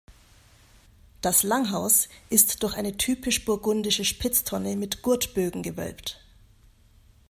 Das Langhaus ist durch eine typisch burgundische Spitztonne mit Gurtbögen gewölbt.